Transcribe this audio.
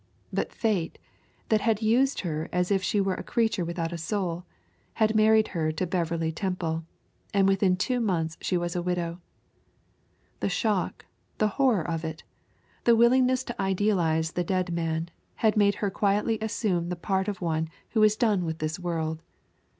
But Fate, that had used her as if she were a creature without a soul, had married her to Beverley Temple and within two months she was a widow. The shock, the horror of it, the willingness to idealize the dead man, had made her quietly assume the part of one who is done with this world.